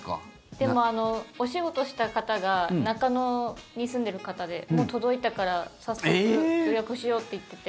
でも、お仕事した方が中野に住んでる方でもう届いたから早速、予約しようって言ってて。